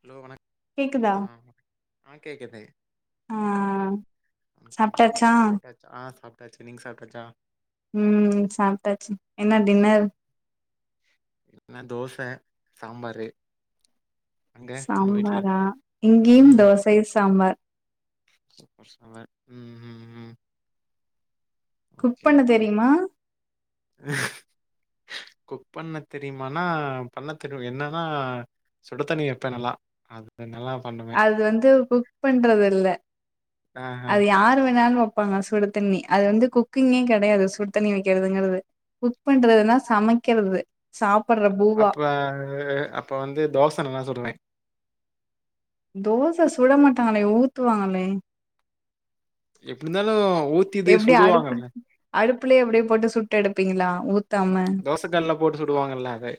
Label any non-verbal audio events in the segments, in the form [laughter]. Hello வணக்கம் கேக்குதா ஆ ஆ கேக்குது் ஆ வணக்கம் சாப்ட்டாச்சா சாப்டாச்சா ஆ சாப் சாப்டாச்சு நீங்க சாப்டாச்சா உம் சாப்பிட்டாச்சு என்ன டின்னர் என்ன தோச சாம்பாரு அங்க நம்ம வீட்ல சாம்பாரா இங்கயும் தோசை சாம்பார் [unintelligible] உம் உஹம் உம் குக் பண்ண தெரியுமா குக் பண்ண தெரியுமனா பண்ண தெரியும் என்னன்னா சுடு தண்ணி வப்பேன் நல்லா அது நல்லா பண்ணுவே அது வந்து குக் பண்றது இல்ல ஆ ஆ அது யாரு வேணாலும் வெப்பாங்க சுடு தண்ணி அது வந்து குக்கிங்கே கெடையாது சுடு தண்ணி வைக்கிறதுங்கிறது குக் பண்றதுன்னா சமைக்கிறது சாப்பட்ற பூவா அப்ப அப்ப வந்து தோச நல்லா சுடுவேன் தோச சுட மாட்டாங்களே ஊத்துவாங்களே எப்படி இருந்தாலும் எப்படி அடுப்பு அடுப்புலயே அப்படியே போட்டு சு எடுப்பீங்களா உத் தம்ம தோச கல்ல போட்டு சுடுவாங்கல்ல அதே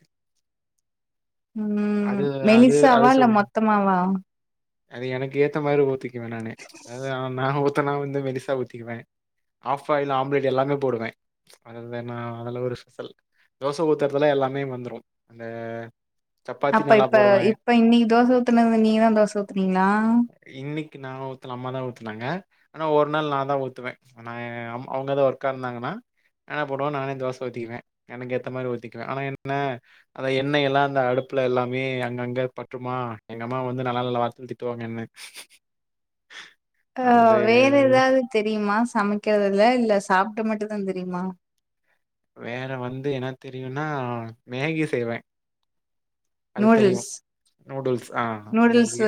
உம் மெலிசாவா இல்ல மொத்தமாவா அது எனக்கு ஏத்த மாதிரி ஊத்தி நானே அத நான் ஊத் நான் வந்து மெலிசா ஊத்திக்குவேன் ஆஃப் பாயில் ஆம்லெட் எல்லாமே போடுவேன் அது வந் நா அதல ஒரு சு ல் தோச ஊத்துறதுலே எல்லாமே வந்துரும் அந்த சப்பாத்தி அப்ப நல்லா இப்ப போடுவேன். இப்ப இன்னிக்கு தோசை ஊத்துனது நீங்கதான் தோச ஊத்துனீங்களா இன்னைக்கு நான் ஊத்தல அம்மா தான் ஊத்துனாங்க. ஆனா ஒரு நாள் நான் தான் ஊத்துவேன் நான் அவங்க தான் ஒர்க்கா இருந்தாங்கன்னா நானே போடுவேன் நானே தோச ஊத்திக்குவேன் எனக்கு ஏத்த மாதிரி ஊத்திக்குவேன் ஆனா என்ன அத எண்ணை எல்லாம் அந்த அடுப்புல எல்லாமே அங்கங்க பட்றுமா எங்க அம்மா வந்து நல்ல நல்ல வார்த்தையில திட்டுவாங்க என்ன அந்த அஹ் வேற ஏதாவது தெரியுமா சமைக்கிறது இல்ல இல்ல சாப்ட மட்டும் தான் தெரியுமா வேற வந்து என்ன தெரியும்னா மேகி செய்வேன் அது தெரியும் நூடுல்ஸ் நூடுல்ஸ் ஆஹ் மேகி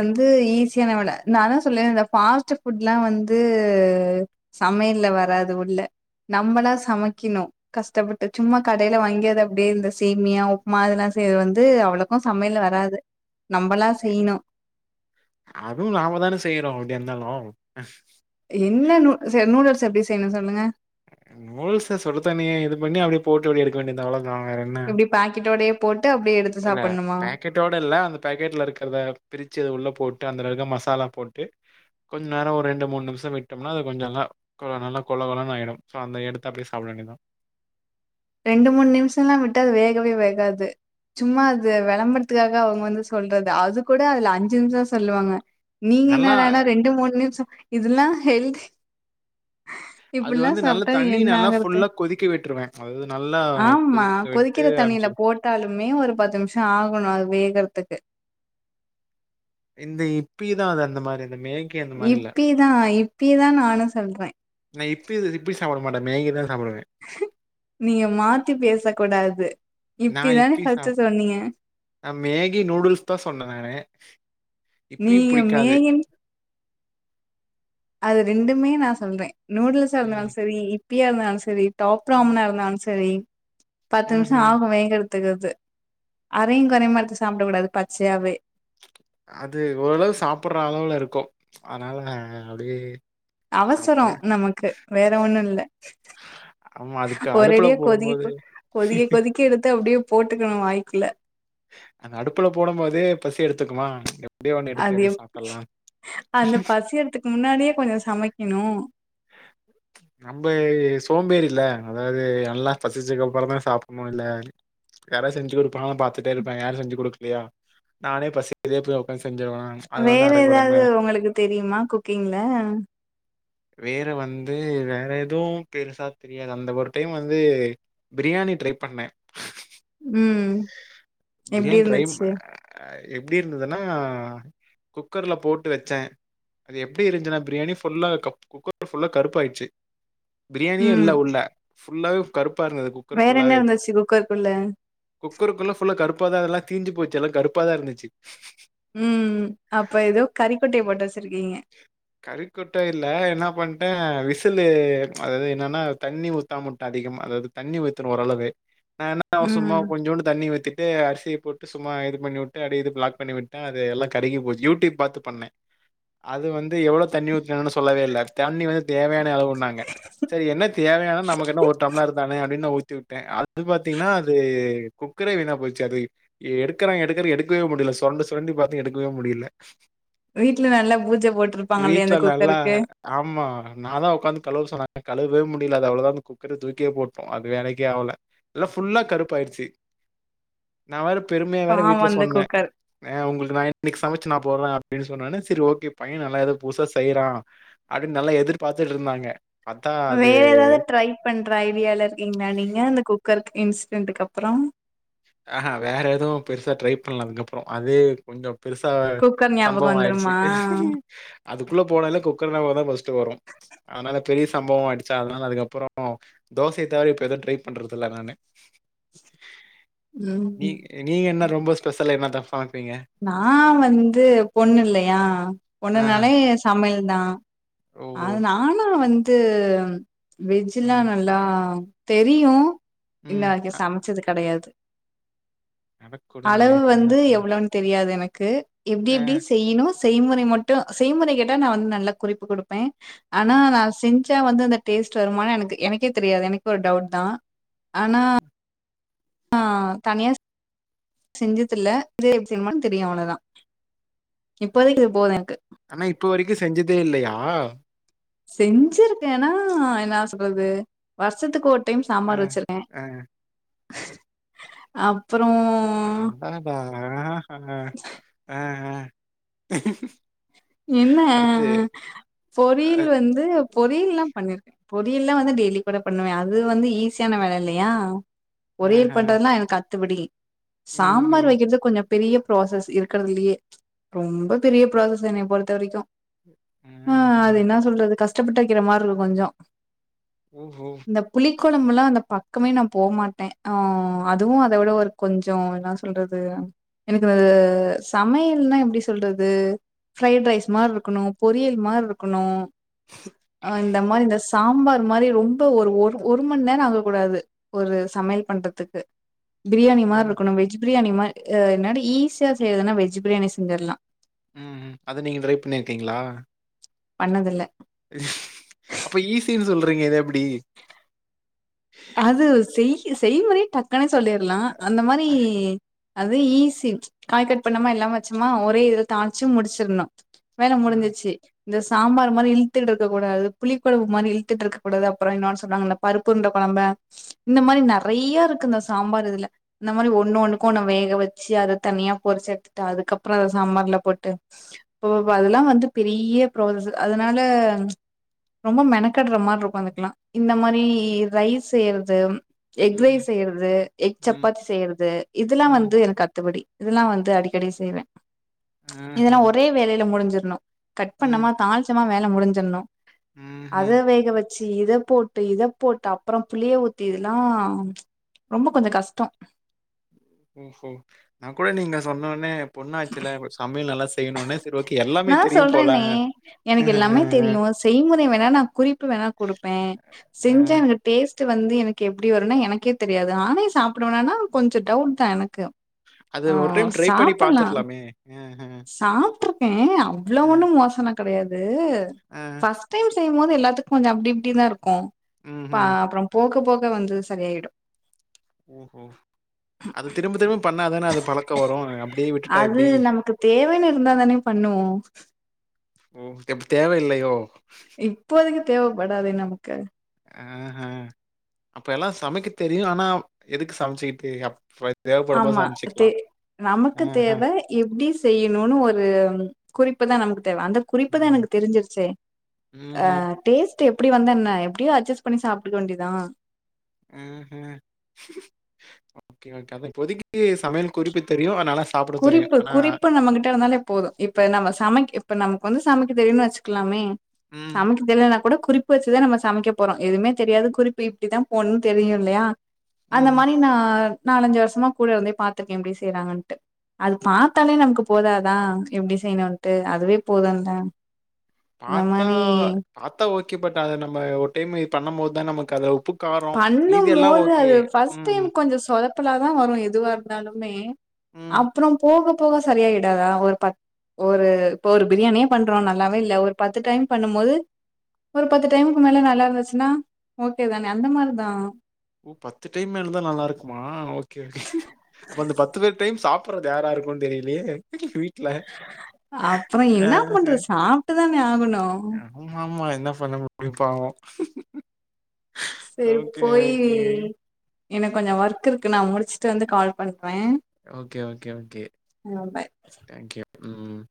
ல நானான் சொல்லேன் இந்த ஃபாஸ்ட் புட்லாம் வந்து சமையல்ல வராது உள்ள நம்மளாம் சமைக்கணும் கஷ்டப்பட்டு சும்மா கடையில வாங்கியது அப்படியே இந்த சேமியா உப்புமா அதெல்லாம் செய்றது வந்து அவ்ளோ சமையல் வராது நம்மளா செய்ணும் அஹ் என்ன நூ நூடூல்ஸ் எப்படி‌ செய்யணும்னு சொல்லுங்க நூடூல்ஸ சுடு தண்ணீய இது பண்ணி போட்டு அப்படியே எடுக்க வேண்டியது அவள தான் எப்படி பாக்கெட்டோடையெ இல்ல பேக்கெட்டோட இல்ல அந்த பேக்கெட்ல இருக்கிறத பிரிச்சு அது உள்ள போட்டு ட்டு அதுல இருக்குற மசாலா போட்டு கொஞ்சம் நேரம் ஒரு ரெண்டு மூணு நிமிஷம் விட்டோம்னா அது கொஞ்சம் நல்லா கொல கொலன்னு ஆயிடும் அந்த எடுத்து அப்படியே சாப்ட வேண்டியதுதான் ரெண்டு மூணு நிமிஷம் எல்லாம் விட்டு அது வேகவே வேகாது சும்மா அது விளம்புறதுக்காக அவங்க வந்து சொல்றது அது கூட அதுல அஞ்சு நிமிஷம் சொல்லுவாங்க நீங்க நல்லா என்னடானா ரெண்டு மூணு நிமிஷம் இதல்லா ஹெல்தி அது வந்து நல்லா தண்ணி நல்லா ஆகுறது? ஃபுல்லா கொதிக்க வெட்டுருவேன் அதுத ஆமா கொதிக்கிற தண்ணியில போட்டாலுமே ஒரு பத்து நிமிஷம் ஆகணும் அது வேக றுத்துக்கு இந்த இப்பிதான் அது அந்த மாதிரி இப்பிதா இப்பிதா நானு சொல்றேன் நான் இப்பி து இப்பி சாப்ட மேடம் நீங்கதா நீங்க மாத்தி பேசக்கூடாது நான் இப்பிதானே இப்பி ஃபஸ்ட்டு சாப் சொன்னீங்க நான் மேகி நூடுல்ஸ் தான் சொன்னேன் நானு. இப்பி நீங்க புடிக்காது. மேகின் அது ரெண்டுமே நா சொல்றே நூடூல்ஸா இருந்தாலு ம். சரி இ ப்பியா இருந்தாலு சரி டாப் ம். ராமனா இருந்தாலு ச சரி பத்து நிமிஷ ம்ஹ்ம். ஆகு வேகறதுக்கு அது அரையு குறையுமா எடுத்து சாப்பிட கூடாது பச்சையாவே அது ஓரளவு சாப்படுற அளவுல இருக்கு அதனால அப்படியே அவசர சாப்ட்டுருவேன். நமக்கு வேற ஒண்ணு இல்ல ஆமா அதுக்கு அடுப்புல ஒரடியா போடும்போது கொதிக்க கொதிக்க கொதிக்க எடுத்து அப்படியே போட்டுக்கணு வாய் குல்ல அந்த அடுப்புல போடும் போதே பசி எடுத்துக்குமா எப்படியோ ஒண்ணு எடுத்து அது எப்படியோ எப் சாப்டறலாம். அந்த பசியருதுக்கு முன்னாடியே கொஞ்சு சமைக்கிணு நம்ப சோம்பேறில்ல. அதாவது நல்லா பசிச்சது கப்றோ தா சாப்புணும்ல்ல யாராது செஞ்சு கொடுப்பாங்கல பார்த் பாத்திட்டே இருப்பே யாரு செஞ்சி கொடுக்கலையா நானே பசிக்கிதே போய் உக்காந் வேற ஏதாவது உங்களுக்கு தெரியுமா குக்கிங்ல வேற வந்து வேற எதுவு பெருசா தெரியாது அந்த ஒரு டைம் வந்து பிரியாணி ட்ரை பண்ணே ம் எப்டி பிரியாணி ட்ரை இருந்துச்சு ஆ எப்படி இருந்ததுன்னா குக்கர்ல போட்டு வச்சே அது எப்படி இருந்துச்சுன்னா பிரியாணி புல்லா கப் குக்கர் புல்லா கருப்பாயிடுச்சு பிரியாணியே ம் இல்ல உள்ள புல்லாவே கருப்பு வேற என்ன இருந்துச்சு குக்கர்க்குள்ள உள்ள கருப்பாதா அதல்லா தீஞ்சு போச்சு எல்லா கருப்பாதா இருந்துச்சு ம் ம் அப்ப ஏதோ கறிக்கொட்டைய போட்ட வெச் கறிக்கொட்ட இல்ல என்ன பண்டே விசிலு அதாவது என்னன்னா தண்ணி ஊத்தாமவிட்டா அதிகம் அதாவது தண்ணி ஊத்தனு ஓரளவு நான் ன்னா சும்மா ம் கொஞ்சோண்டு தண்ணி ஊத்திட்டு அரிசி டிய போட்டு சும்மா இது பண்ணி உட்டு அப்டே இது பிளாக் பண்ணிவிட்ட அது எல்லா கருகி போச்சு யூடியூப் பாத்து பண்ணே அது வந்து எவ்ளோ தண்ணி ஊத் ன்னான்னு சொல்லவே இல்ல தண்ணி வந்து தேவையான அளவுன்னாங்க செரி என்னத் தேவையான நமக்கு என்ன ஒரு டம்ளாரு தானே அப்டின்னு நா ஊத்தி உட்டே அது பாத்தீங்கன்னா அது குக்கரே வீணா போச்சு அது எடுக்கறே எடுக்கறே எடுக்கவே முடில சுரண்ட சுரண்டி பாத்தே எடுக்கவே முடில வீட்ல நல்ல வீட்ல நல்லா ஆமா நான்தா உக்காந்து கழுவ சொன்ன கழுவவே முடியல அது அவ்ளோதா அந்த குக்கர தூக்கியே போட்டோ அது வேலைக்கே ஆவல எல்லா ஃபுல்லா கருப்புாயிருச்சு நா வேற பெருமையா வேற பாவோ வீட்ல அந்த சொன்ன குக்கர் ஆ உங்களுக்கு நா இன்னைக்கு சமச்சு நா போட்ற அப்பின்னு சொன்னானே செரி ஓகே பையே நல்லா எதோ புதுசா செய்றா அப்டின் நல்லா எதிர்பாத்துட்ருந்தாங்க வேற ஏதாவது ட்ரை பண்ற ஐடியால இருக்கீங்களா நீங்க அந்த குக் குக்கர்க் இன்சிடென்ட்டுக்கு அப்புறோ அ ஹா வேற எதுவு பெருசா ட்ரை பண்ல அதுக்கப்றோ அதே கொஞ்சோ பெருசா குக்கர் ஞாபகம் சம்பவோ ஆயிடுச்சு வந்துருமா அதுக்குள்ள போனாலே குக்கர் ஞாபகோதா ஃபஸ்ட்டு வரு அதனால பெரிய சம்பவோ ஆயிடுச்சா அதனால அதுக்கப்றோ தோசைய தவர இப்ப எதுவு ட்ரை பண்றதுல்ல நானு [inaudible] நீ ம் நீங்க என்ன ரொம்ப ஸ்பெசல் என்னத்த ஃப நா வந்து பொண்ணுல்லையா ஆஹா. பொண்ணுனால சமையல் நா அ ஓஹோ! நானா வந் து வெஜ்ல்லா ம். நல்லா தெரியு இன்ன வரைக்கு சமைச்சது கடையாது அட கொடுமையே வந்து எவ்வளோன்னு தெரியாது எனக்கு எப்டி எப்டி செய்ணு செய்முறை மட்டு செய்முறை கேட்ட நா வந்து நல்ல குறிப்பு குடுப்பே ஆனா ம். நா செஞ் ச்ச வந்து அந்த டேஸ்ட் வருமானனு எனக்கு எனக்கே தெரியாது எனக்கு ஒரு டவுட் தா ஆனா ஆ தனியா செஞ்சதுல்ல இது எப்டி என்னனு தெரியும அவ்ளோதா இப்போதைக்கு இது போது எனக்கு ஆனா இப்ப வரைக்கு செஞ்சதே இல்லையா செஞ்சிருக்கேன்னா என்ன சொல்றது வருஷத்துக்கு ஒரு டைம் ஆ, சாம்பார் வச்சிருக்கே ஆ, அப்பறோ அடாடா ஆஹ் ஆ ஆ என்ன அடுத்து அ பொரியல் வந்து பொரியல்ல்லாம் பண்ணிருக்கேன் பொரியல்லாம் வந்து டெய்லி கூட பண்ணுவேன் அது வந்து ஈஸியான வேலை இல்லையா பொரியல் ஆஹா! பண்றதுல்லாம் எனக்கு அ த்துபடி சாம்பார் ம்ஹ்ம். வைக்கிறது கொஞ்சம் பெரிய ப்ராசஸ் இருக்கிறதுலயே ரொம்ப பெரிய ப்ராசஸ் த என்னைய பொறுத்த வரைக்கும் ஆஹ் ஆஹா! அது என்ன சொல்றது கஷ்ட கஷ்டப்பட்டு இருக்கிற மாதிரி இருக்கும் கொஞ்சம் ஓ குழம்பு எல்லாம் அந்த பக்கமே நான் போகமாட்டேன் ஆஹ அதுவும் அதை விட ஒரு கொஞ்சம் என்ன சொல்றது எனக்கு அ சமையல்னா எப்படி சொல்றது ஃரைட் ரைஸ் மாதிரி இருக்கணும் பொரியல் மாதிரி இருக்கணும் ஆஹ் இந்த மாதிரி இந்த சாம்பார் மாதிரி ரொம்ப ஒரு ஒரு ஒரு மணி நேரம் ஆக கூடாது ஒரு சமையல் பண்றதுக்கு பிரியாணி மாதிர ம், இருக்கணும் வெஜ் பிரியாணி மாிரி அஹ் என்னட ஈஸியா செய்யறதுன்னா வெஜ் பிரியாணி செஞ்சிடலாம் ம் அத நீங்க ட்ரை பண்ணியிருக்கீங்களா பண்ணதுல அப்ப ஈசின்னு சொல்றீங்க ஏது எப்படி அது ச செய்முறை டக்கன சொல்லிடலாம் அந்த மாதிரி அது ஈஸி காய் கட் பண்ணமா எல்லாம் வச்சோமா ஒரே இதுல தாளிச்சு முடிச்சிடணும் வேல அ, முடிஞ்சச்சு இந்த சாம்பார் மாதிரி இழுத்துட்டு இருக்கக்கடாது புளி குவு மாதி இழுத்துட்டு இருக்க கூடாது அறம் இன்ன சொன்னாங்க இந்த பப்பு ழம்ப இந்த மாதிரி நிறைய இருக்கு இந்த சாம்பார் இதுல இந்த மாதிரி ஒண்ணு ஒண்ணுக்கும் ஒண்ணு வேக வச்சு அத தனியா பொரிச்சு எடுத்துட்டு அதுக்கப்புறம் அத சாம்பார்ல போட்டு அதெல்லாம் வந்து பெரிய ப்ோச அ ரைஸ் செய்றது எக் ய ம், செய்யறது எக் ம், சப்பாத்தி செய்யறது இதெல்லாம் ம். வந்து எனக்கு அத்துபடி இதெல்லாம் வந்து அடிக்கடி செய்வேன் ஆஹா! இதல்லாம் ஒரே வேலையில முடிஞ்சிரு கட் ம், பண்ணமா தாாளிச்சமா வேலை முடிஞ்சிடணும் ம்ஹ்ம். அது வேக வச்ச ச இத போட்டு இத போட்டு அப்புறம் புளிய ஊத்தி இதெல்லாம் ரொம்ப கொஞ்சம் கஷ்டம் ஓஹோ நான் கூட நீங்க சொன்ன உடனே பொண்ணாச்சுல சமையல் நல்லா செய்யணுனே, சரி ஓகே எல்லாமே நா தெரியும் போல. சொல்றேனே எனக்கு ஆஹ, எல்லாமே தெரியு செய்முறை வேணா நா குறிப்பு வேணா குடுப்பே ஆ. செஞ்சா எனக்கு டேஸ் ட் வந்து எனக்கு எப்படி வருனா எனக்கே தெரியாது நானே சாப்பிடுவனானா கொஞ்சோ டவுட்தா எனக்கு அது ஒரு டைம் ட்ரை பண்ணி பாத்துர்லாமே சாப்பிட்டுருப்பே அவ்வளவு ஆ, ஒண்ணு மோசமா கெடையாது இது ஆ. பஸ்ட் டைம் செய்யும்போது எல்லாத்துக்கு கொஞ்சோ அப்படி இப்படிதா இருக்கு பா ம்ஹ்ம். அப்புறம் போக போக வந்து சரியாயிடும் ம்ஹூ அது திரும்ப திரும்ப பண்ணாதானே அது பழக்க வரு அப்படி அது நமக்கு தேவைன்னு இருந்தாதானே பண்ணுவோ ஓ! அப்ப தேவையில்லையோ? இப்போதைக்கு தேவைப்படாது நமக்கு ஆஹ்ஹ் அப்ப எல்லா சமைக்க தெரியு ஆனா எதுக்கு சமைச்சுக்கிட்டு அப் ஆமா தே நமக்கு ஆஹா. தேவை எப்படி செய்யணும்னு ஒரு குறிப் புதா நமக்கு அந்த குறிப்புதா ம். எனக்கு தெரிஞ்சிருச்சே அ ம்ஹ்ம். டேஸ்ட் டு எப்படி வந்தா என்ன எப்படியோ அட்ஜஸ்ட் பண்ணி சாப்பிட்டுக்க வேண்டியதா உம் உம் ஓகே ஓகே இப்போதைக்கு சமையல் குறிப்பு தெரியு அதனால குறிப்பு குறிப்பு நம்மகிட்ட இருந்தாலே போது இப்ப நம்ம சமைக்க இப்ப நம் கொஞ்சோ சமைக்க தெரியுனு வெச்சுக்கலாமே ம், சமைக்க தெரியல்னாகூட குறிப்பு வெச்சுதா நம்ம சமைக்க போறோ எதுவுமே தெரியாது குறிப்பு இப்படித்தா போணுனு தெரியு இல்லயா அந்த ம். மாரி நா நாலஞ்சு வருஷமா கூட இருந்தே பாத்திருக்கே எப்படி செய்யறாங்கன்ட்டு அது பாத்தாலே நமக்கு போதாதா எப்படி செய்யணுன்ட்டு அதுவே போதுல்ல அந்த பாத்தா மாரி பாத்தா ஓகே ஓகே பட் அத நம்ம ஒரு டைம் இது பண்ணும்போதுதா நமக்கு அத உப்பு காரம் மீதி எல்லாம் பண்ணும்போது ஓகே. அது பஸ்ட் ம், டைம் கொஞ்சோ சொதப்பலாதா வரு எதுவா இருந்தாலு மே ம். அப்புறம் போக போக சரியாயிடாத ஒரு பத் ஒரு இப்ப ஒரு பிரியாணியே பண்றோ நல்லாவே இல்ல ஒரு பத்து டைம் பண்ணும்போது ஒரு பத்து டைமுக்கு மேல நல்லா இருந்துச்சுன்னா ஓகேதான அந்த மாதிரிதா ஓ பத்து டைம் மேலதா நல்லா இருக்குமா ஓகே ஓகே அப்ப அந்த பத்து பத்து டைம் சாப் ப்புறது யாராருக்குன் தெரிய்லயே அப்றொ என்னா பண்றத் சாப்ட்டுதானே ஆகணு யகுமா ம்மா என்ன பண்ண முடியு பாவோ சேர் போயி எனக் கொஞ்சொ ஒர்க் இருக்கு நா முடிச்சுட்டு வந்து கால் பண் ஓகே ஓகே ஓகே ஆ பாய் தேங்க்யூ உம்